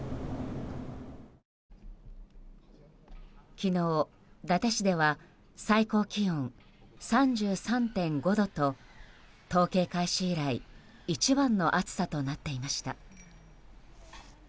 昨日、伊達市では最高気温３３．５度と統計開始以来一番の暑さとなっていました。